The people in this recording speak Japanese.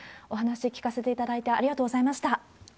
お話聞かせていただいてありがとうございました。